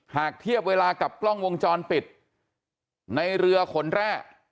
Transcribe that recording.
หากเทียบเวลากับกล้องวงจรปิดในเรือขนแร่